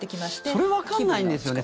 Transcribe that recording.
それがわかんないんですよね。